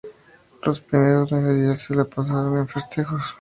Los primeros nueve días se la pasaron en festejos.